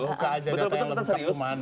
buka aja data yang lengkap kemana